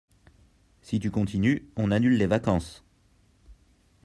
Si tu continues, on annule les vacances.